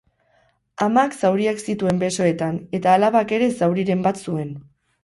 Amak zauriak zituen besoetan, eta alabak ere zauriren bat zuen.